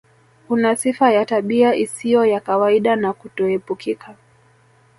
Una sifa ya tabia isiyo ya kawaida na kutoepukika